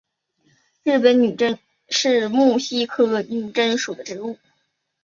日本女贞是木犀科女贞属的植物。